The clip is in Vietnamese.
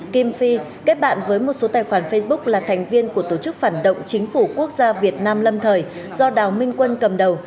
kim phi kết bạn với một số tài khoản facebook là thành viên của tổ chức phản động chính phủ quốc gia việt nam lâm thời do đào minh quân cầm đầu